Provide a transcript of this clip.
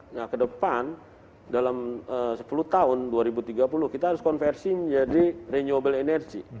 nah ke depan dalam sepuluh tahun dua ribu tiga puluh kita harus konversi menjadi renewable energy